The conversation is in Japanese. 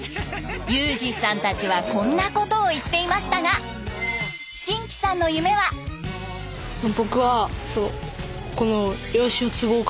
優兒さんたちはこんなことを言っていましたが真喜さんの夢は。